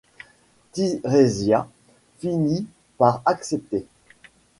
Tirésias finit par accepter.